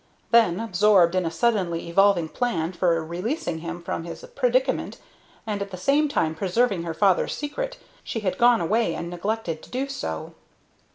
Then, absorbed in a suddenly evolved plan for releasing him from his predicament and at the same time preserving her father's secret, she had gone away and neglected to do so.